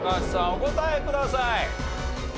お答えください。